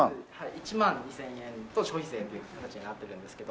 １万２０００円と消費税という形になってるんですけど。